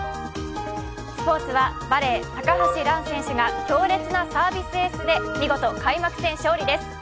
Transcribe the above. スポーツはバレー、高橋藍選手が強烈なサービスエースで見事、開幕戦勝利です。